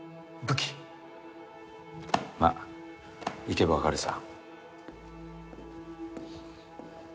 まっ行けば分かるさ。